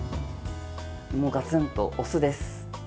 ガツンとお酢です。